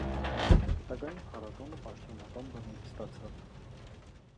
Հետագայում փառատոնը պաշտոնական բնույթ ստացավ։